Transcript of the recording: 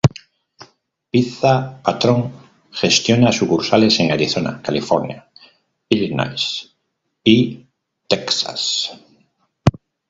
Pizza Patrón gestiona sucursales en Arizona, California, Illinois y Texas.